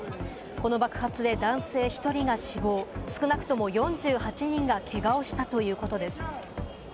この爆発で男性１人が死亡、少なくとも４８人がけがをしたということです。